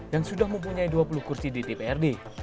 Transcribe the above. dan sudah mempunyai dua puluh kursi di dprd